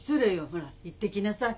ほら行ってきなさい。